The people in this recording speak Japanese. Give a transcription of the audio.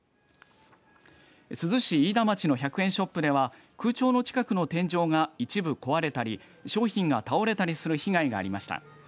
珠洲市飯田町の１００円ショップでは空調の近くの天井が一部壊れたり商品が倒れたりする被害がありました。